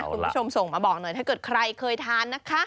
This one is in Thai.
คุณผู้ชมส่งมาบอกหน่อยถ้าเกิดใครเคยทานนะคะ